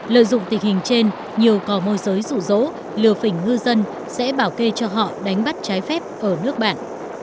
lợi dụng tình hình trên nhiều cò môi giới rủ rỗ lừa phỉnh ngư dân sẽ bảo kê cho họ đánh bắt trái phép ở nước bạn